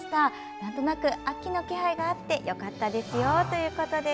なんとなく秋の気配があってよかったですよということです。